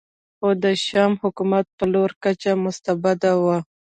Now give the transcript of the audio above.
خو د شیام حکومت په لوړه کچه مستبد و